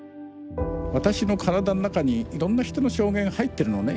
私の体の中にいろんな人の証言入ってるのね。